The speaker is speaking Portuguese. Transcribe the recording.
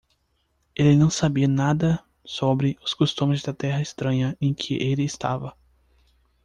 Ele não sabia nada sobre os costumes da terra estranha em que ele estava.